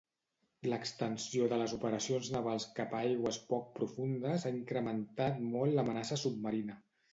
L'extensió de les operacions navals cap a aigües poc profundes ha incrementat molt l'amenaça submarina.